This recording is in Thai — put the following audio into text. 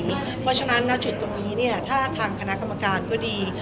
เพราะฉะนั้นณจุดตรงนี้เนี่ยถ้าทางคณะกรรมการก็ดี